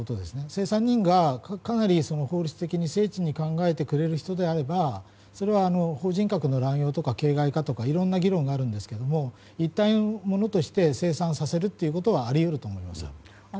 清算人がかなり法律的に精緻に考えてくれる人であればそれは法人格の乱用とか形骸化とかいろんな議論があるんですが一体したものとして清算させるということはあり得ると思います。